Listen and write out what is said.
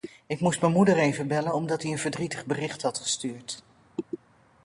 Ik moest mijn moeder even bellen omdat die een verdrietig bericht had gestuurd.